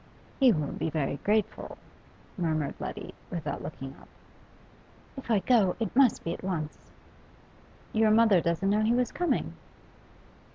'He will be very grateful,' murmured Letty, without looking up. 'If I go, it must be at once.' 'Your mother doesn't know he was coming?